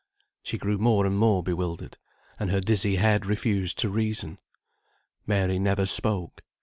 She grew more and more bewildered, and her dizzy head refused to reason. Mary never spoke.